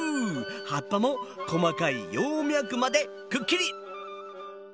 葉っぱも細かい葉脈までくっきり！